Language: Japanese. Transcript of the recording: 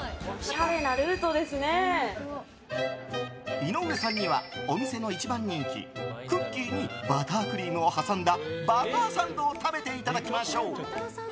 井上さんには、お店の一番人気クッキーにバタークリームを挟んだバターサンドを食べていただきましょう。